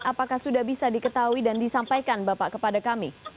apakah sudah bisa diketahui dan disampaikan bapak kepada kami